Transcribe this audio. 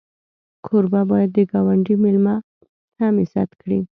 کوربه باید د ګاونډي میلمه هم عزت کړي.